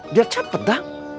dia cepet dang